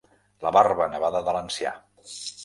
La barba nevada de l'ancià.